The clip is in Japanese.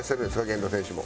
源田選手も。